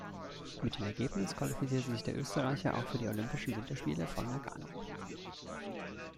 Mit dem Ergebnis qualifizierte sich der Österreicher auch für die Olympischen Winterspiele von Nagano.